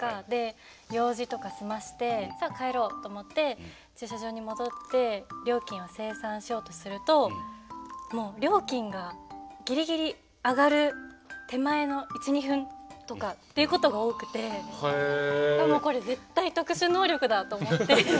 で用事とか済ませてさあ帰ろうと思って駐車場に戻って料金を精算しようとするともう料金がギリギリ上がる手前の１２分とかっていうことが多くてもうこれ絶対特殊能力だと思って。